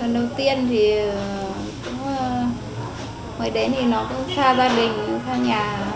lần đầu tiên thì mới đến thì nó cũng xa gia đình xa nhà